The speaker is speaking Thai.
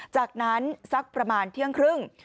จากนั้นสักประมาณเที่ยงครึ่ง